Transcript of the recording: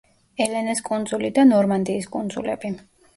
ელენეს კუნძული და ნორმანდიის კუნძულები.